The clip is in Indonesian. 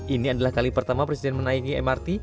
ini adalah kali pertama presiden menaiki mrt